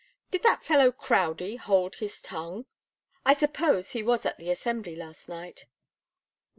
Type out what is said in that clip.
Did that fellow Crowdie hold his tongue? I suppose he was at the Assembly last night."